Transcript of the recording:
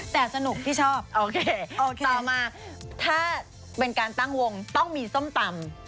แต่สนุกที่ชอบโอเคต่อมาถ้าเป็นการตั้งวงต้องมีส้มตำ